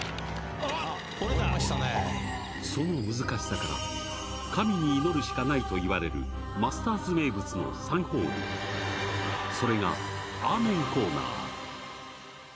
その難しさから神に祈るしかないというマスターズ名物の３ホール、それがアーメンコーナー。